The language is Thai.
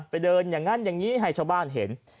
ไปเดินอย่างนั้นอย่างนี้ให้ชาวบ้านเห็น